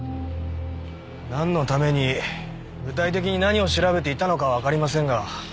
なんのために具体的に何を調べていたのかはわかりませんが。